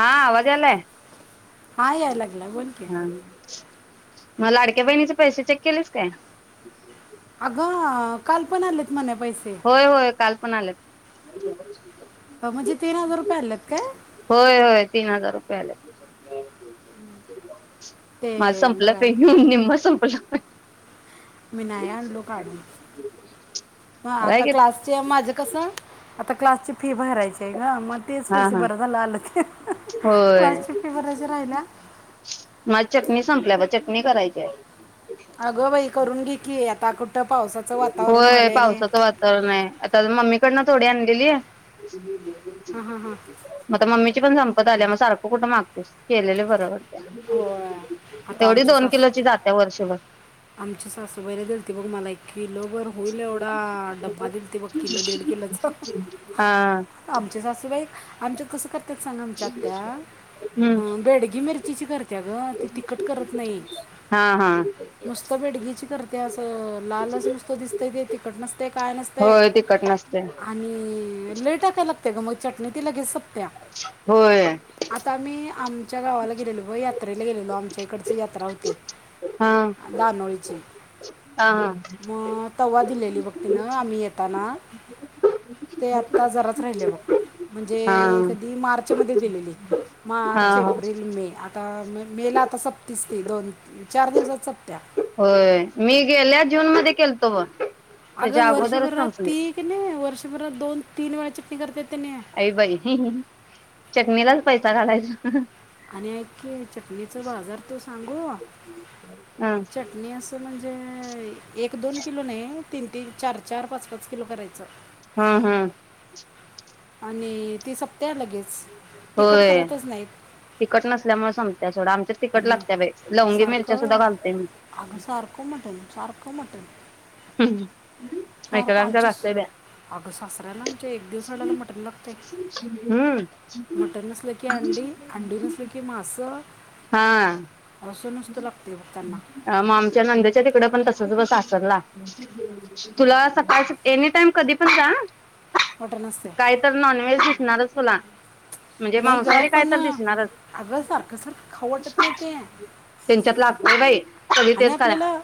हा आवाज यालाय. हा याय लागलाय बोलकी. म लाडक्या बहिणीचे पैसे चेक केलेस काय. अगं काल पण आलेत म्हणे पैसे होय होय काल पण आल्यात. अ म्हजी तीन हजार रुपये आल्यात काय. होय होय तीन हजार रुपये आलेत. माझ ते संपलं बघा [unintelligible] निम्म संपलं पण. मी नाही आणलो काढून म काय आता घेत क्लासचे माझं कस आता क्लासची फी भरायची आहे ग मग तेच हा पैसे हा बर झालं आल होय राहिल्या म चटणी संपल्यावर चटणी करायची आहे. अगंबाई करून घे की त्याक [unintelligible] होय पावसाचं वातावरण आहे आता मम्मी तिकडन थोडी आणलेली. म आता मम्मीची पण सं आल्या म सारख कुठ मागतेस केलेले बर. हो आता एवढी आमच्या दोन सासू किलोची जात्या वर्षभर. आमची सासूबाईन दिलती बघ मला‌ एक किलो भर होईल एवढा डब्बा दिलती बघ किलो देड किलोच हा आमची सासूबाई आमंच्यात कसं काय सांग आमच्या हम्म आत्या बेडगी मिरची ची करत्या ग ती तिखट करत नाही. हा हा नुसतं बेडगीची करत्या असं लालच नुसत दिसतय ते तिखट नसतय काय नसतय होय तिखट नसते आणि लै टाकाय लागतय ग म चटणी ते लगेच स त्या होय आतामी आ आमच्या गावाला गेलोलो ग यात्रेला गेलेलो आमच्या इकडची यात्रा होती हा दानोळीची हा. मग तवा दिलेली बघ. पिन [unintelligible] आ्ही येतना ते आता जराच राहिले बघ म्हणजे हा कधी मार्चमध्ये दिलेली हा मार्च हा एप्रिल मे आ मे ला आता सपतीस की दोन चार दिवसात सप होय मी गेल्या जून मध्ये केल [unintelligible] अगं वर्षभरात ती कि नय वर्षभरात दोन तीन वेळाचे करत्याती. काय बाई चटणीला, पैसा काढायचा. आणि ऐक की चटणीचा बाजार तू सांगू ह चटणी असं म्हणजे जे एक-दोन किलो नाही. तीन तीन, चार चार, पाच पाच, किलो करायचं. हं हं, आणि ती सप होय नाहीत तिखट नसल्यामुळे सम त्या सोडा आमच्याच तिखट आणि लागत बाई लवंगी मिरच्या सारखं सुद्धा घालते मी. अगं सारखं मटण सारखं मटण [unintelligible] सारखं एकेकांच्या आमच्या घालतोय बाई अग, सासऱ्याला आमच्या एक दिवस आडाला मटण लागतय, हम्म मटण नसलं की अंडी अंडी नसल की मास. हा, बघ त्यांना [unintelligible] मामच्या नंदेच्या तिकड पण तस. [unintelligible] सासरला तुला सकाळ एनी टाइम कधी पण जा आ मटण असते काही तर नॉनव्हेज शिकणारच तुला, म्हणजे नाही ग मांसाहारी काय पण तर दिसणारच अग सारखं सारखं खाऊ वाटत नाही ते, त्यांच्यात लागतय बाई. सगळी आणि तेच खाल्या आपल्याला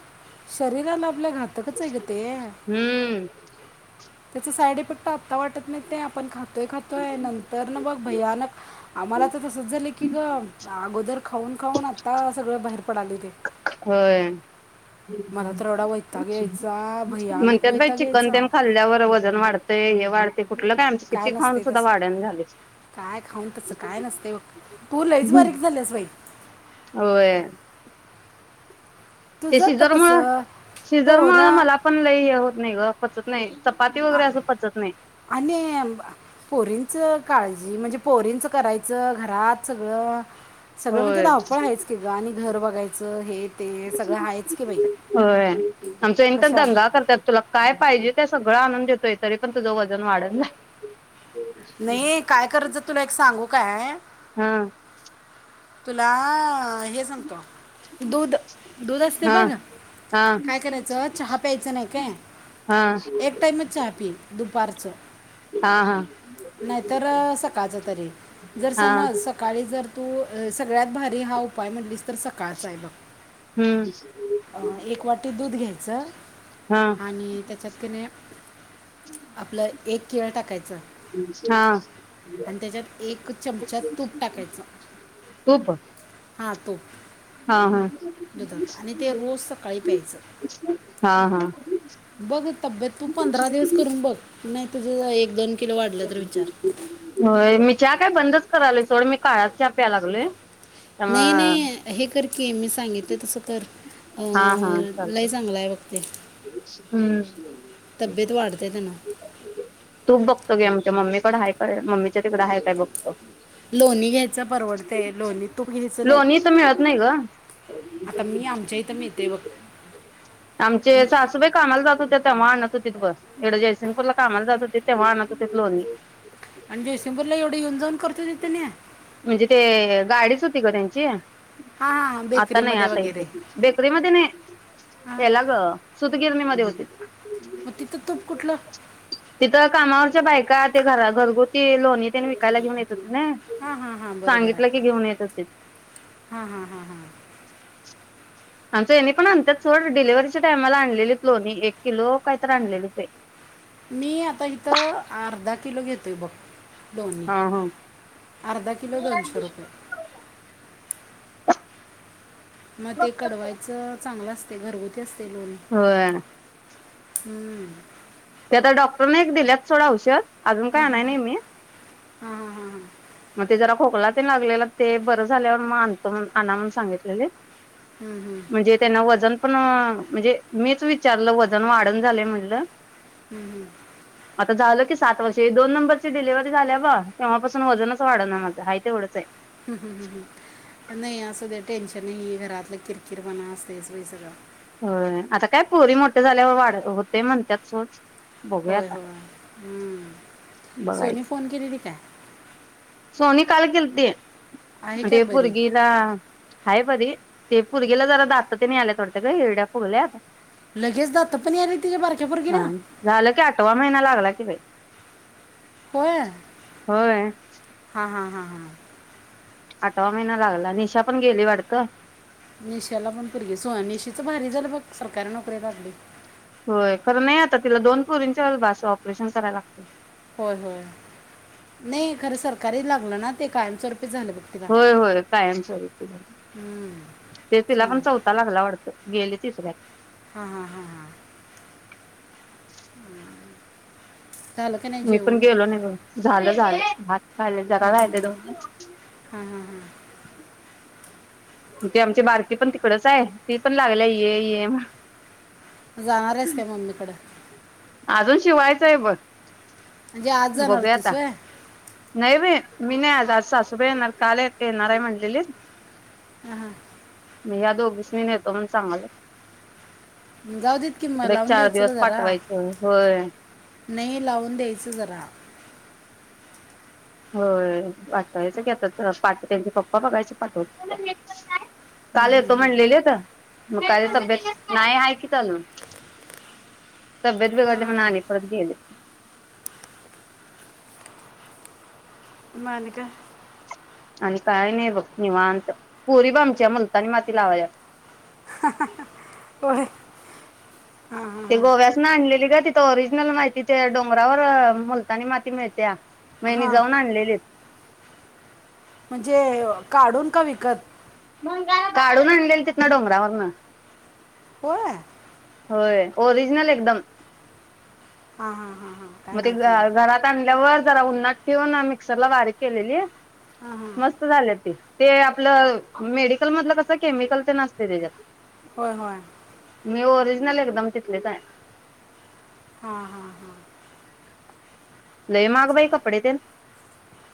शरीराला आपल्या घातकच आहे, ग ते. हम्म त्याचा साईड इफेक्ट आता वाटत नाही ते आपण खात खातोय, खातोय नंतर न बघ भयानक आम्हाला तर तसच झालं की ग अगोदर खाऊन-खाऊन आता सगळं बाहेर पडालय ते. होय मला तर एवढा वैताग यायचा भयानक म्हणतात, बाई वैताग चिकन यायचा तेन खाल्ल्यावर वजन वाढतंय. वाढते. काय नसते तस काय खाऊन तस काय नसते बघ तू, लईच बारीक झालंस बाई. होय ते तुझं तर सिजरमूळ, कसं सिजरमूळ पोरा मला पण लई होत नाही ग. पचत नाही. चपाती वगैरे असं पचत नाही. आणि पोरींच काळजी म्हणजे पोरींचं करायचं घरात सगळं, सगळं म्हणजे होय धावपळ आहेच की ग आणि, घर बघायचं हे. ते सगळं आहेच की बाई होय आमच हेनी तर कशाला दंगा करतात तुला काय पाहिजे त्या सगळं आनंद देतोय तरी पण तुझं वजन वाढल नाही. नाही काय करायचं तुला एक सांगू काय? हा तुला. हे सांगतो दूध दूध असते हा बघ हा काय करायचं चहा प्यायचं नाही काय हा एक टाइमच चहा पी. दुपारचं. हा हा हा नाहीतर सकाळच तरी जर हा समज सकाळी जर तू. सगळ्यात भारी हा उपाय म्हनलीस तर सकाळचा हाय बघ. हम्म अं एक वाटी दूध घ्यायचं, हा आणि त्याच्यात कने आपलं एक केळ टाकायचं, हा आणि त्याच्यात एक चमचा तूप टाकायचं. तूप, खातो. हा हा आणि ते रोज सकाळी प्यायचं, हा हा बघ तब्येत तू पंधरा दिवस करून बघ नाही, तुझ एक दोन, किलो वाढलं तर विचार हो मी चहा काय बंदच, करालोय सोड मी काळाच चहा प्याय लागलोय. नाही त्यामुळं नाही हे कर की मी सांगितले तसं कर. हा हा अं, लय चालतय. चांगलं आहे बघ ते हम् तब्येत वाढते त्यानं तूप बघतो घे, आमच्या मम्मीकड हाय का. मम्मीच्या तिकड हाय काय बघतो. लोणी घ्यायच परवडतय, लोणी तूप घ्यायच नाही लोणी इथं मिळत नाही ग आता मी आमच्या इथं मिळतय बघ. आमचे सासूबाई कामाला जात हो त्या तेव्हा आणत होत्या. तिकडं जयसिंगपूरला कामाला जात होतीत, तेव्हा आणत होते लोणी. आणि जयसिंगपूरला एवढे येऊन जाऊन. करतो तिथे नाही म्हणजे ते गाडीच होती, ग त्यांची हां हां आता नाही बेकरीमध्ये आता येत वगैरे बेकरी मध्ये नाही हां हेला ग सुतगिरणी मध्ये होती. मग तिथं तूप कुठलं तिथं कामावरच्या बायका ते घरात. घरगुती लोणी त्यांनी विकायला घेऊ येत. न, हां हां हां बरोबर सांगितलं की आहे घेऊन येतात ते. हां हां हां हां आमचं हेणि पण आणत्यात सोड, डिलिव्हीच्या टाइमाला आणलेलीत लोनी एक किलो काहीतर आणलेलीत बाई. मी आता इथं अर्धा किलो घेतोय बघ. लोणी, हा हा. अर्धा किलो दोनशे रुपये. म ते कडवायचं चांगलं असतंय घरगुती अस् होय. हुं ते आता डॉक्टरने एक दिल्यात सोड औषध आजून काय आणाय नाय मी हं हं हं हं म ते जरा खोकला तेन लागलेलं ते बरं झाल्यावर म आणतो म्हन आण म्हणून सांगितलेलीत. हम्म, हम्म. म्हणजे तेना वजन पण हां, म्हणजे मीच विचारलं वजन वाढनं झालय म्हटलं आता झालं की स् सात वर्ष ही दोन नंबरची डिलिव्हरी झाल्या ब तेव्हापासून वजनच वाढंना माझं हाय तेवढंच हाय. हं हं हं हं नाही आसू दे टेन्शन नाई घरातलं किरकिर पणा असतयच बई सगळा होय, आता काय पोरी मोठे झाल्यावर वाढ होतय म्हणत्यात सोड बघूया होय आता होय हं, सोनी बघायचं. फोन केलेली काय? सोनी काल केेलती, आहे काय ते बरी पुर्गीला हाय बरी ते पुर्गीला जरा दात तेन याल्यात वाटतं गं हिरड्या फुगल्यात लगेच दातं पण याल्या तिज्या बारक्या पोरगीला. हा झालं की आठवा महिना [unintelligible] होय होय. हां हां हां हां आटवा महिना लागला, निशा पण गेली वाडतं. निशाला पण पोरगी सोअ, निशिचं भारी झालं बघ सरकारी नोकरी लागली. होय, खरं नाय आता तिला दोन पोरींच्यावर बास ऑपरेशन कराय लागतंय. होय होय, नई खरं सरकारी लागलं ना ते कायमस्वरू होय होय कायमस्वरूपी झाल, हम्म, ते तिला पण चांगलं चौथा लागला वाडतं. गेले तिसऱ्यात हां हां हां हां झालं का नाही मी पण जेवण गेलो नाय बघ, झालं झालं भात खायलोय जरा राहिलय दोन हां हां मं ती आमची बारकी पण तिकडंच हाय ती पण लागल्या ये ये म्ह हां जाणार आहेस काय मम्मीकडं? आजून शिवायचंय बग म्हणजे आज जाणार बघूया होतीस आता वय नाई बई मी नाय आज आज सासूबाई येणार काल ए येणार हाय म्हणलेलीत. हं हं ह्या दोघी स्नी नेतो म्हणून सांगायलात. जाऊ देत कि मला लावून द्यायचं ग जरा पाठवायचं होय नाही लावून द्यायचं जरा होय पाठवायचं की आता पाठ त्यांचे पप्पा बघायचे पाठवत का आता काल येतो म्हणलेलीता मग का तब्येत नाही आहे कि चालून तब्येत बिघडली म्हणून हां आणि परत गेले मग आणि काय आणि काय नाही बघ निवांत पोरी बा आमच्या मुलतानी माती लावाय होय ते गोव्यास ना आणलेली ग त ओरिजिनल माहिती ते डोंगरावर मुलतानी माती मिळते मग यांनी हां जाऊन आणलेले म्हणजे काढून का विकत काढून आणलेल तिथनं डोंगरावर ना होय होय ओरिजनल एकदम हा हा हा मग ते घरात आणल्यावर जरा उन्ठेवन मिक्सर ला वारीक केलेली हां हां मस्त झाले ते ते आपलं मेडिकल मधलं कसं केमिकल ते असते त्याच्यात होय होय मी ओरिजनल एकदम तिथलेच आहे हा हा् हम् लय महाग बाई कपडे तेन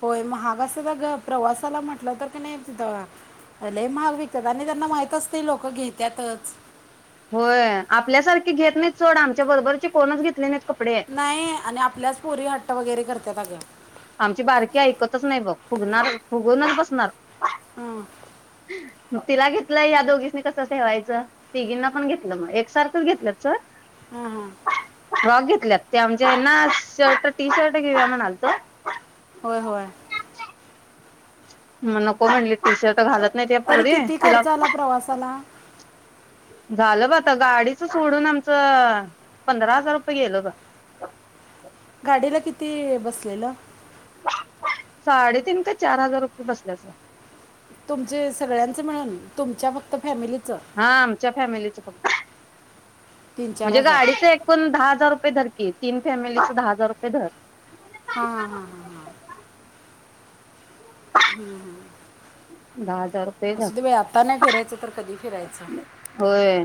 होय महागाचा सुद्धा प्रवास ला म्हटलं तर की नाही तिथं लय महाग विकतात आणि त्यांना माहित असते लोक घेत्यातच होय आपल्यासारखी घेत नाही सोड आमच्या बरोबरची कोणच घेतली नाही नाही आणि आपल्याच पोरी हट्ट वगैरे करतात त्यालाके [inaudible] आमची बारकी ऐकतच नाही बघ फुगणार फुगूनच बसणार हु तिला घेतलं या दोघींनी कसं ठेवायचं तिघींना पण घेतलं मग एकसारखं घेतलं सोड हहा हा फ्रॉक घेतल्यात त्या म्हणजे ना शर्ट टी शर्ट घेऊया म्हणालतो होय होय [inaudible] ह्म्म नको म्हणली टीशर्ट घालत नाही त्या तरी पोरी किती तिला खर्च आला प्रवासाला झालं ब आता गाडीच सोडून आमचं पंधरा हजार रुपये गेल होत गाडीला किती बसलेलं साडेतीन ते चार हजार रुपये बसल्यात तुमचे सगळ्यांचे मिळून तुमच्या फक्त फॅमिलीत हा आमच्या फॅमिलीच फक्त तीन चार म्हणजे हजार गाडीच एकूण दहा हजार रु अस कर की तीन फॅमिलीच दहा हजार रुपये धर हा हा हा हा हा हम्म हम्म भात असू दे बाई आत्ता नाही फिरायच तर कधी फिरायचं होय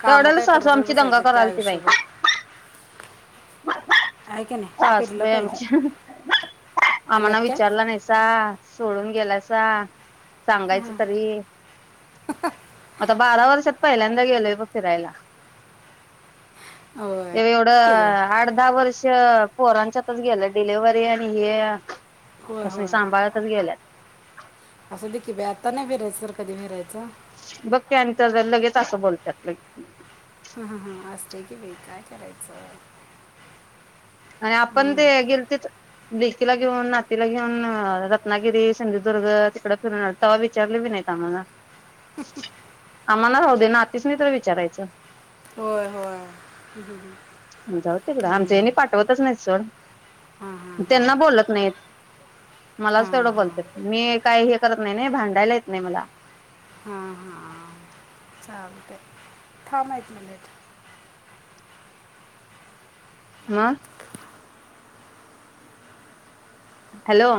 कामं काय सासू करतच आमची दंगा बसायचे ते करायला आलती बाई आयुष्यभर आहे की नाही सासू फिरलं बाई पाहिजे आमच्या आम्हांला आल्यात काय विचारलं नाहीसा सोडून गेलासा सांगायच तरी आता बारा वर्षात पहिल्यांदा गेलोय बघ फिरायला होय ते ते का एवढं आठ दहा वर्ष पोरांच्यातच गेल्या डिलेव्हरी आणि हे होय कस सांभाळतच गेल्यात असूनदे की बाई आता नाही फिरायचं तर कधी फिरायचं बघकी लगेच असं बोलत्यात ते हम हम असतय की बाई काय करायचं आणि आपण हं. ते गेलेते लेकीला घेऊन नातीला घेऊन रत्नागिरी सिंधुदुर्ग तिकड फिरून आल तव्हा विचारले बी नाहीत आम्हाला [inaudible] आम्हाला राहऊ दे ना आतीस न तरी विचारायचं होय होय ह जावो तिकडं आमचे हेनी पाठवतच नाही सोड हां हां हां त्यांना बोलत नाहीत मलाच हां तेवढं हां बोलत्यात मी काही हे करत नाही नाही भांडायला येत नाही मला ह्म्म ह्म्म थांब एक मिनट ह हॅलो